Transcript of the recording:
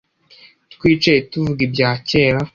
Twicaye tuvuga ibya kera